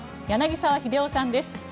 柳澤秀夫さんです。